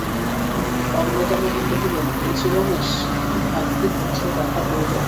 অন্নদাবাবু কহিলেন, এই-যে রমেশ, ভাগ্যে পথে দেখা হইল!